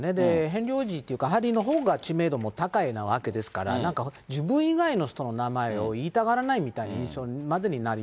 ヘンリー王子というか、ハリーのほうが知名度が高いわけですから、なんか自分以外の人の名前を言いたがらないみたいな印象までにな